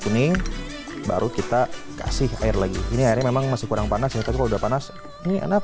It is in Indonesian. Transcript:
kuning baru kita kasih air lagi ini airnya memang masih kurang panas ya tapi kalau udah panas ini enak